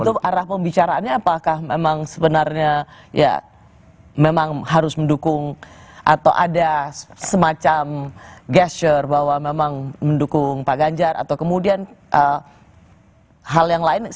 dan arah pembicaraannya apakah memang sebenarnya ya memang harus mendukung atau ada semacam gesture bahwa memang mendukung pak ganjar atau kemudian hal yang lain